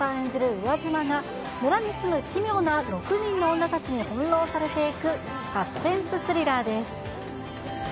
宇和島が、村に住む奇妙な６人の女たちに翻弄されていくサスペンススリラーです。